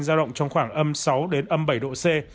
giao động trong khoảng âm sáu đến âm bảy độ c